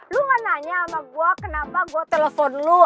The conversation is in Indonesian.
lu gak nanya sama gue kenapa gue telepon lu